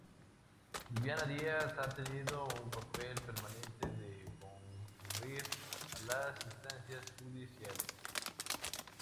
Viviana Díaz ha tenido un papel permanente de concurrir a las instancias judiciales.